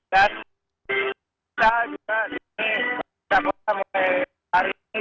dan saat ini kita mulai hari ini